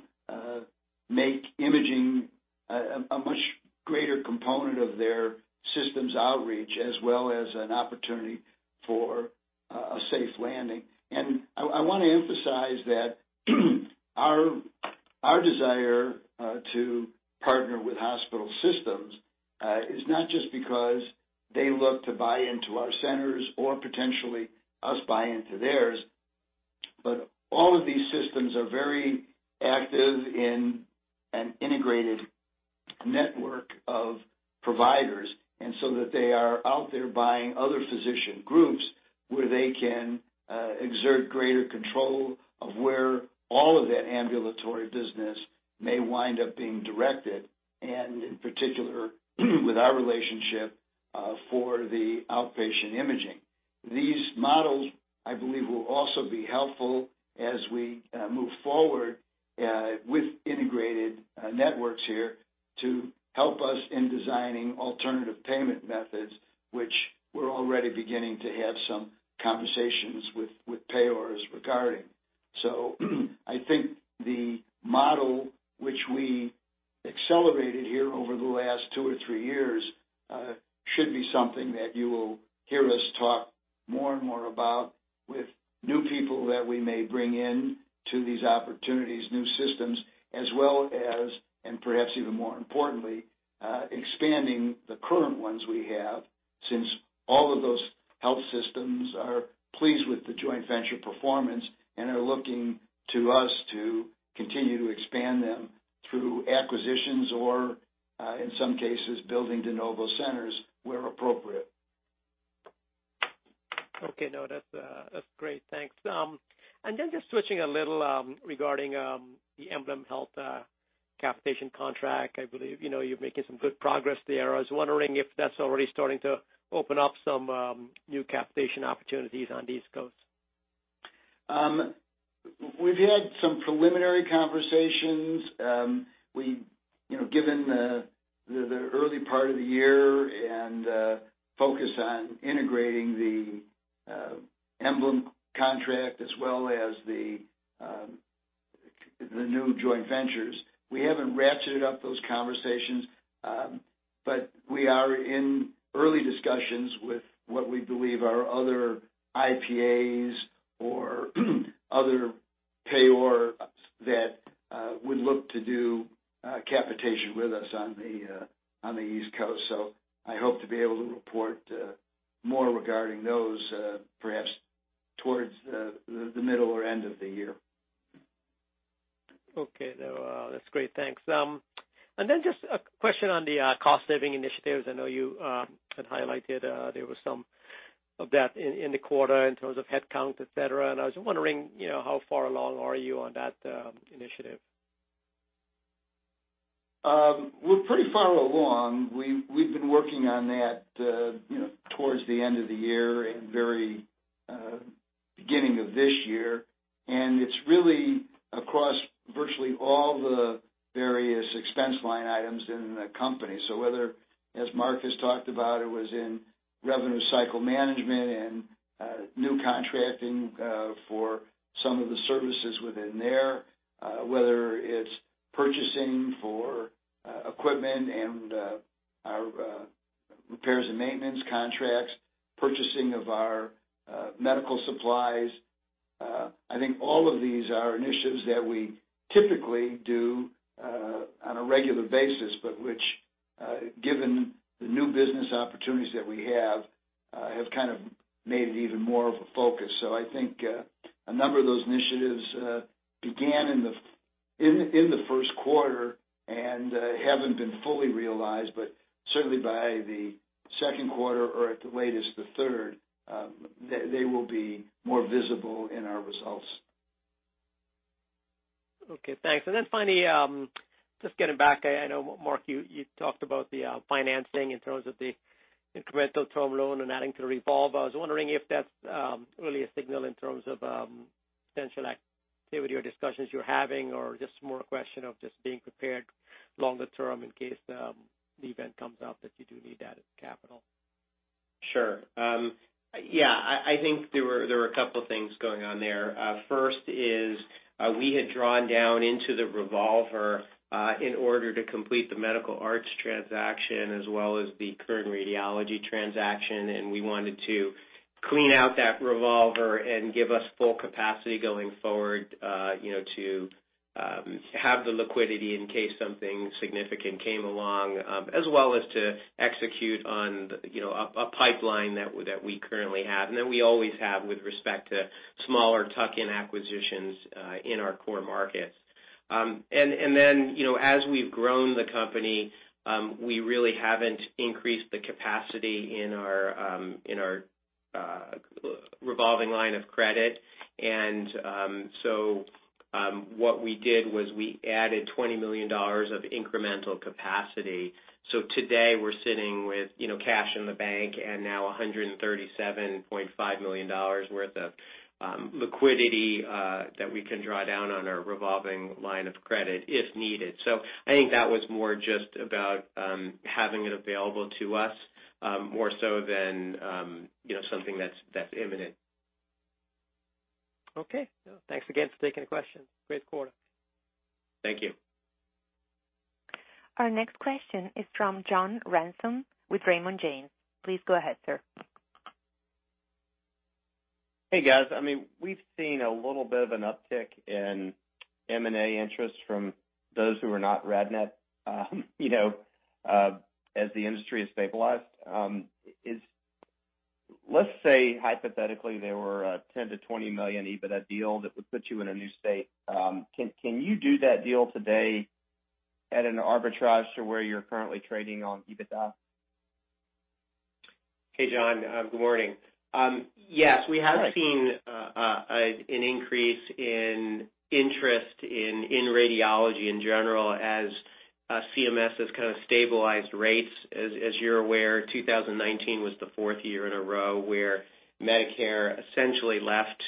make imaging a much greater component of their systems outreach, as well as an opportunity for a safe landing. I want to emphasize that our desire to partner with hospital systems is not just because they look to buy into our centers or potentially us buy into theirs. All of these systems are very active in an integrated network of providers. They are out there buying other physician groups where they can exert greater control of where all of that ambulatory business may wind up being directed, and in particular, with our relationship for the outpatient imaging. These models, I believe, will also be helpful as we move forward with integrated networks here to help us in designing alternative payment methods, which we're already beginning to have some conversations with payers regarding. I think the model which we accelerated here over the last two or three years should be something that you will hear us talk more and more about with new people that we may bring in to these opportunities, new systems, as well as, and perhaps even more importantly, expanding the current ones we have. Since all of those health systems are pleased with the joint venture performance and are looking to us to continue to expand them through acquisitions or, in some cases, building de novo centers where appropriate. Okay. No, that's great, thanks. Just switching a little regarding the EmblemHealth capitation contract, I believe you're making some good progress there. I was wondering if that's already starting to open up some new capitation opportunities on the East Coast. We've had some preliminary conversations. Given the early part of the year and focus on integrating the Emblem contract as well as the new joint ventures, we haven't ratcheted up those conversations. We are in early discussions with what we believe are other IPAs or other payors that would look to do capitation with us on the East Coast. I hope to be able to report more regarding those, perhaps towards the middle or end of the year. Okay. No, that's great. Thanks. Just a question on the cost-saving initiatives. I know you had highlighted there was some of that in the quarter in terms of headcount, et cetera, and I was wondering how far along are you on that initiative? We're pretty far along. We've been working on that towards the end of the year and very beginning of this year. It's really across virtually all the various expense line items in the company. Whether, as Mark has talked about, it was in revenue cycle management and new contracting for some of the services within there, whether it's purchasing for equipment and our repairs and maintenance contracts, purchasing of our medical supplies. All of these are initiatives that we typically do on a regular basis, but which, given the new business opportunities that we have kind of made it even more of a focus. A number of those initiatives began in the first quarter and haven't been fully realized, but certainly by the second quarter or at the latest, the third, they will be more visible in our results. Okay, thanks. Finally, just getting back, I know, Mark, you talked about the financing in terms of the incremental term loan and adding to the revolve. I was wondering if that's really a signal in terms of potential activity or discussions you're having or just more a question of just being prepared longer term in case the event comes up that you do need that capital. Sure. There were a couple things going on there. First is we had drawn down into the revolver in order to complete the Medical Arts transaction as well as the Kern Radiology transaction. We wanted to clean out that revolver and give us full capacity going forward to have the liquidity in case something significant came along, as well as to execute on a pipeline that we currently have and that we always have with respect to smaller tuck-in acquisitions in our core markets. As we've grown the company, we really haven't increased the capacity in our revolving line of credit. What we did was we added $20 million of incremental capacity. Today we're sitting with cash in the bank and now $137.5 million worth of liquidity that we can draw down on our revolving line of credit if needed. I think that was more just about having it available to us more so than something that's imminent. Okay. No, thanks again for taking the question. Great quarter. Thank you. Our next question is from John Ransom with Raymond James. Please go ahead, sir. Hey, guys. We've seen a little bit of an uptick in M&A interest from those who are not RadNet as the industry has stabilized. Let's say hypothetically there were a $10 million-$20 million EBITDA deal that would put you in a new state. Can you do that deal today at an arbitrage to where you're currently trading on EBITDA? Hey, John. Good morning. Yes, we have seen an increase in interest in radiology in general as CMS has kind of stabilized rates. As you're aware, 2019 was the fourth year in a row where Medicare essentially left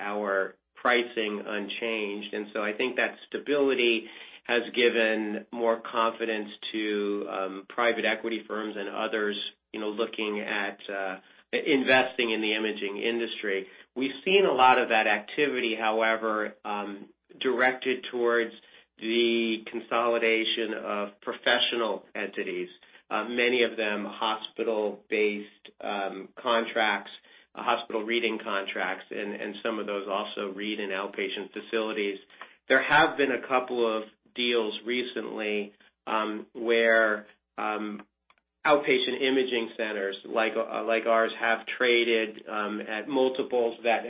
our pricing unchanged. I think that stability has given more confidence to private equity firms and others looking at investing in the imaging industry. We've seen a lot of that activity, however, directed towards the consolidation of professional entities, many of them hospital-based contracts and hospital reading contracts and some of those also read in outpatient facilities. There have been a couple of deals recently where outpatient imaging centers like ours have traded at multiples that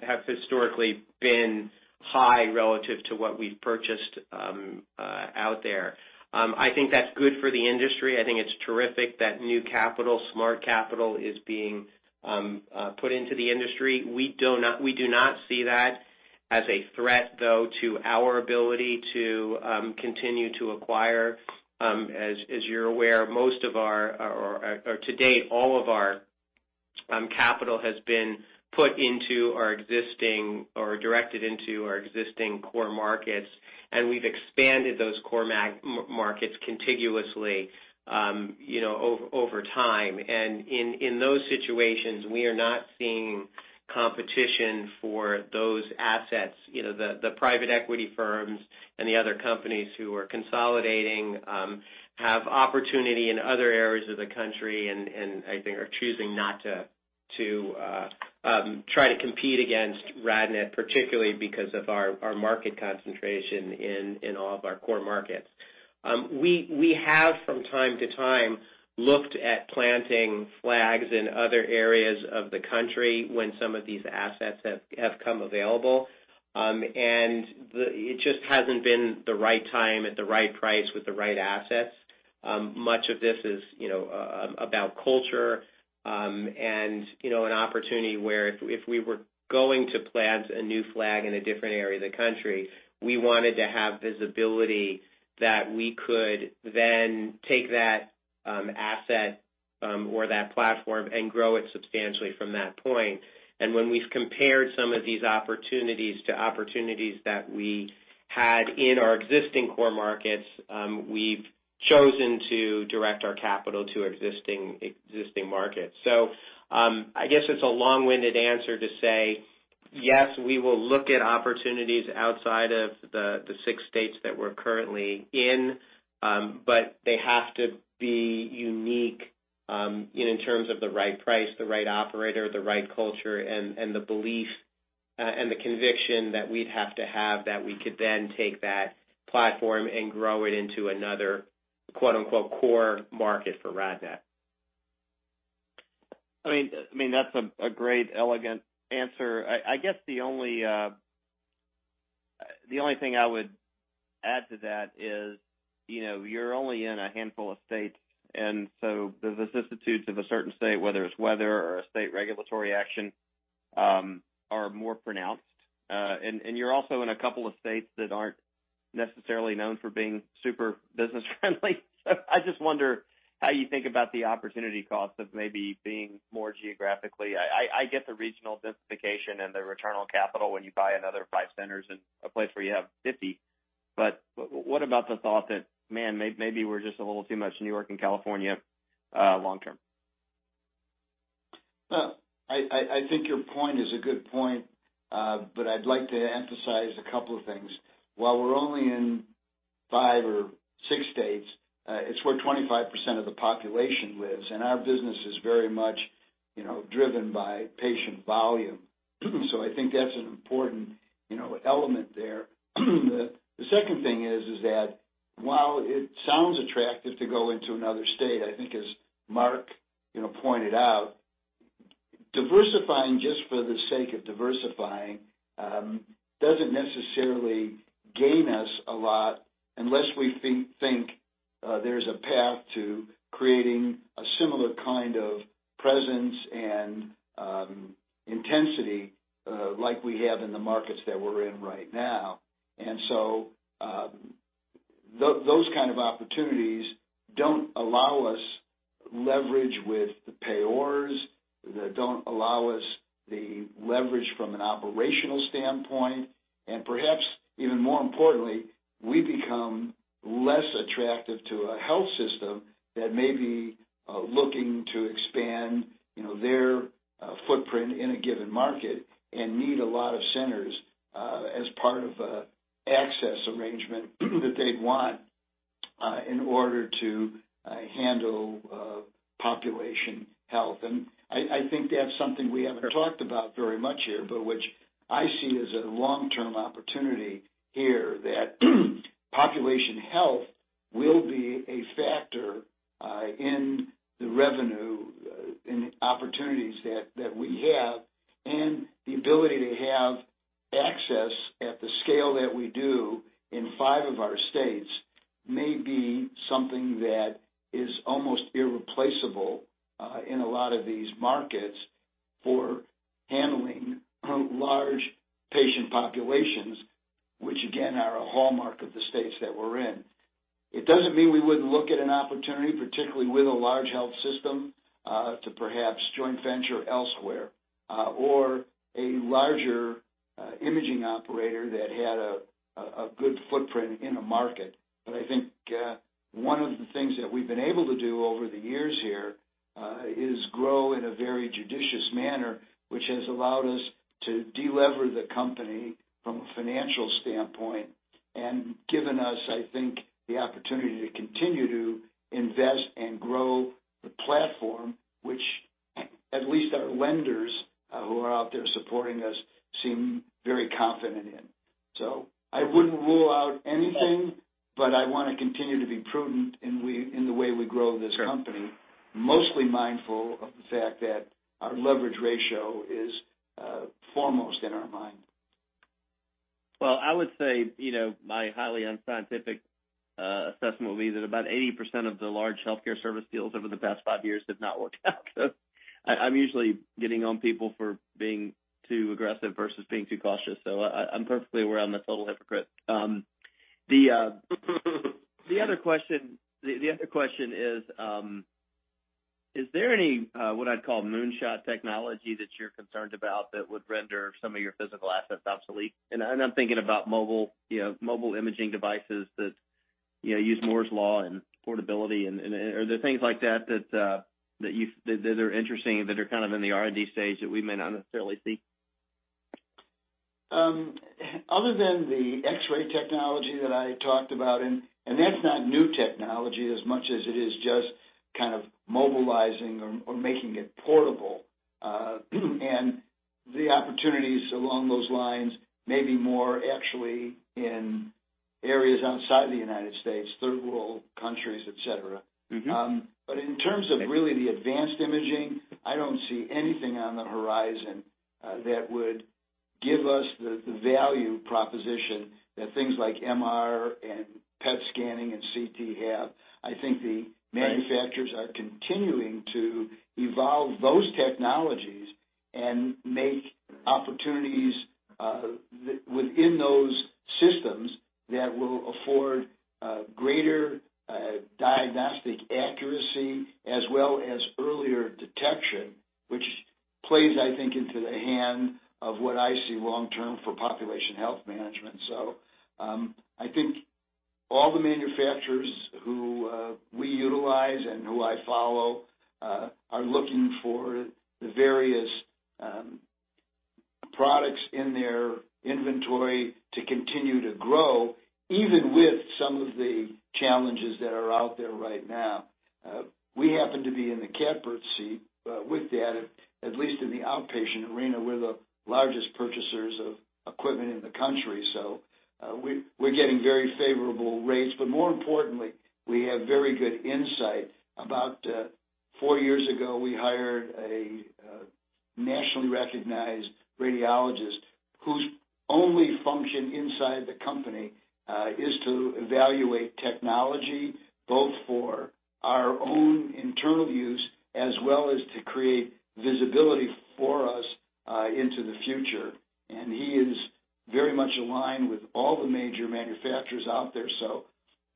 have historically been high relative to what we've purchased out there. I think that's good for the industry. I think it's terrific that new capital, smart capital, is being put into the industry. We do not see that as a threat, though, to our ability to continue to acquire. As you're aware, to date, all of our capital has been put into our existing or directed into our existing core markets, and we've expanded those core markets contiguously over time. In those situations, we are not seeing competition for those assets. The private equity firms and the other companies who are consolidating have opportunity in other areas of the country and I think are choosing not to try to compete against RadNet, particularly because of our market concentration in all of our core markets. We have, from time to time, looked at planting flags in other areas of the country when some of these assets have come available. It just hasn't been the right time at the right price with the right assets. Much of this is about culture, and an opportunity where if we were going to plant a new flag in a different area of the country, we wanted to have visibility that we could then take that asset or that platform and grow it substantially from that point. When we've compared some of these opportunities to opportunities that we had in our existing core markets, we've chosen to direct our capital to existing markets. I guess it's a long-winded answer to say, yes, we will look at opportunities outside of the six states that we're currently in, but they have to be unique, in terms of the right price, the right operator, the right culture, and the belief, and the conviction that we'd have to have that we could then take that platform and grow it into another "core market" for RadNet. That's a great, elegant answer. I guess the only thing I would add to that is, you're only in a handful of states, and so the vicissitudes of a certain state, whether it's weather or a state regulatory action, are more pronounced. You're also in a couple of states that aren't necessarily known for being super business-friendly. I just wonder how you think about the opportunity cost of maybe being more geographically I get the regional densification and the return on capital when you buy another five centers in a place where you have 50. What about the thought that, man, maybe we're just a little too much New York and California, long term? Well, I think your point is a good point, but I'd like to emphasize a couple of things. While we're only in five or six states, it's where 25% of the population lives, and our business is very much driven by patient volume. I think that's an important element there. The second thing is that while it sounds attractive to go into another state, I think as Mark Stolper pointed out, diversifying just for the sake of diversifying, doesn't necessarily gain us a lot unless we think there's a path to creating a similar kind of presence and intensity, like we have in the markets that we're in right now. Those kind of opportunities don't allow us leverage with the payers. They don't allow us the leverage from an operational standpoint. Perhaps even more importantly, we become less attractive to a health system that may be looking to expand their footprint in a given market and need a lot of centers as part of an access arrangement that they'd want in order to handle population health. I think that's something we haven't talked about very much here, but which I see as a long-term opportunity here, that population health will be a factor in the revenue and opportunities that we have. The ability to have access at the scale that we do in five of our states may be something that is almost irreplaceable in a lot of these markets for handling large patient populations, which again, are a hallmark of the states that we're in. It doesn't mean we wouldn't look at an opportunity, particularly with a large health system, to perhaps joint venture elsewhere, or a larger imaging operator that had a good footprint in a market. I think one of the things that we've been able to do over the years here is grow in a very judicious manner, which has allowed us to de-lever the company from a financial standpoint. Given us, I think, the opportunity to continue to invest and grow the platform, which at least our lenders who are out there supporting us seem very confident in. I wouldn't rule out anything, but I want to continue to be prudent in the way we grow this company. Sure. Mostly mindful of the fact that our leverage ratio is foremost in our mind. I would say my highly unscientific assessment would be that about 80% of the large healthcare service deals over the past five years have not worked out. I am usually getting on people for being too aggressive versus being too cautious. I am perfectly aware I am a total hypocrite. The other question is there any, what I would call moonshot technology that you are concerned about that would render some of your physical assets obsolete? I am thinking about mobile imaging devices that use Moore's Law and portability and are there things like that are interesting, that are kind of in the R&D stage that we may not necessarily see? Other than the X-ray technology that I talked about, that is not new technology as much as it is just kind of mobilizing or making it portable. The opportunities along those lines may be more actually in areas outside the U.S., third world countries, et cetera. In terms of really the advanced imaging, I don't see anything on the horizon that would give us the value proposition that things like MR and PET scanning and CT have. Right manufacturers are continuing to evolve those technologies and make opportunities within those systems that will afford greater diagnostic accuracy as well as earlier detection, which plays, I think, into the hand of what I see long term for population health management. I think all the manufacturers who we utilize and who I follow are looking for the various products in their inventory to continue to grow, even with some of the challenges that are out there right now. We happen to be in the catbird seat with data, at least in the outpatient arena. We're the largest purchasers of equipment in the country, so we're getting very favorable rates. More importantly, we have very good insight. About four years ago, we hired a nationally recognized radiologist whose only function inside the company, is to evaluate technology both for our own internal use as well as to create visibility for us into the future. He is very much aligned with all the major manufacturers out there.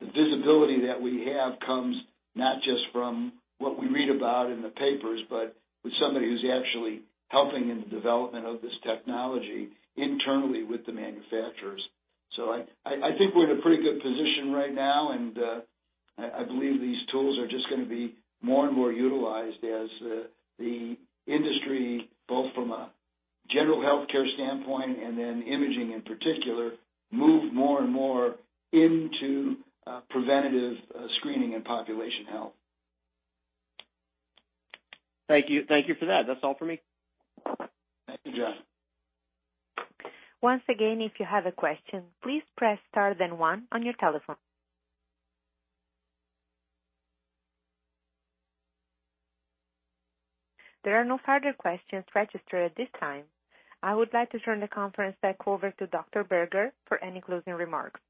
The visibility that we have comes not just from what we read about in the papers, but with somebody who's actually helping in the development of this technology internally with the manufacturers. I think we're in a pretty good position right now, and I believe these tools are just going to be more and more utilized as the industry, both from a general healthcare standpoint and then imaging in particular, move more and more into preventative screening and population health. Thank you for that. That's all for me. Thank you, John. Once again, if you have a question, please press star then one on your telephone. There are no further questions registered at this time. I would like to turn the conference back over to Dr. Berger for any closing remarks.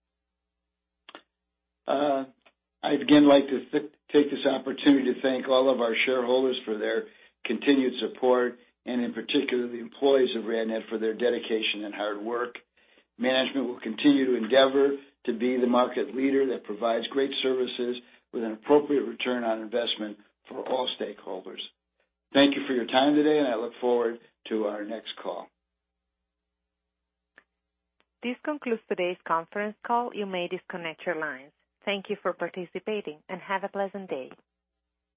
I'd again like to take this opportunity to thank all of our shareholders for their continued support and in particular the employees of RadNet for their dedication and hard work. Management will continue to endeavor to be the market leader that provides great services with an appropriate return on investment for all stakeholders. Thank you for your time today, and I look forward to our next call. This concludes today's conference call. You may disconnect your lines. Thank you for participating and have a pleasant day.